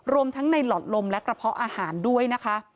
รวมทั้งในหลอดลมและกระเพาะอาหารด้วยนะคะ